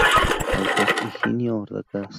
Autor: Higinio Orgaz.